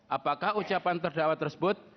apakah ucapan terdakwa tersebut